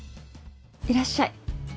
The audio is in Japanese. いらっしゃい。